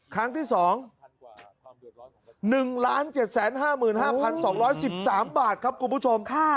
ครั้งที่๒๑๗๕๕๒๑๓บาทครับคุณผู้ชม